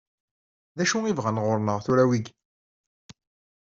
D acu i bɣan ɣur-neɣ tura wigi?